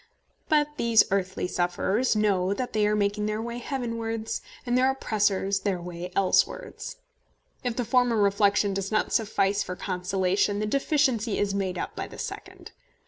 But these earthly sufferers know that they are making their way heavenwards, and their oppressors their way elsewards. If the former reflection does not suffice for consolation, the deficiency is made up by the second.